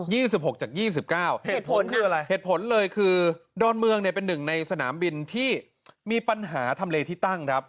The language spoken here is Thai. ี่สิบหกจากยี่สิบเก้าเหตุผลคืออะไรเหตุผลเลยคือดอนเมืองเนี่ยเป็นหนึ่งในสนามบินที่มีปัญหาทำเลที่ตั้งครับ